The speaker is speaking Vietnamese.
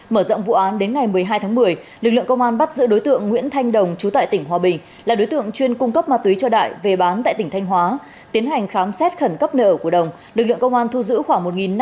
mở rộng vụ án đến ngày một mươi hai tháng một mươi lực lượng công an bắt giữ đối tượng nguyễn thanh đồng chú tại tỉnh hòa bình là đối tượng chuyên cung cấp ma túy cho đại về bán tại tỉnh thanh hóa